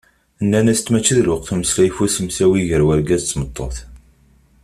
Nnan-asent mačči d lawan n umeslay ɣef usemsawi gar urgaz d tmeṭṭut.